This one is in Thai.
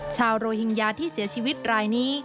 โรฮิงญาที่เสียชีวิตรายนี้